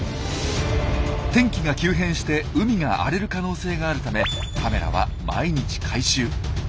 天気が急変して海が荒れる可能性があるためカメラは毎日回収。